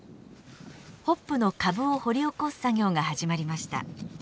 ホップの株を掘り起こす作業が始まりました。